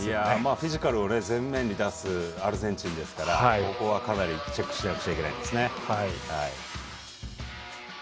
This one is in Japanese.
フィジカルを前面に出すアルゼンチンですからここはかなりチェックしなきゃいけないです。